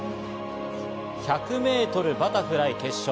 １００ｍバタフライ決勝。